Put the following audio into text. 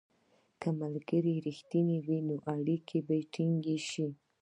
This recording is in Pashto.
که ملګري رښتیني وي، نو اړیکه به ټینګه شي.